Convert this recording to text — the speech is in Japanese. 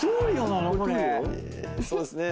そうですね。